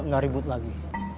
gak ribut lagi